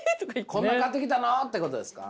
「こんな買ってきたの？」ってことですか？